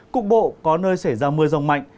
cục bộ có nơi xảy ra mưa rông mạnh